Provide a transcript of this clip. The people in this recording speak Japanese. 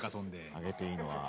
あげていいのは。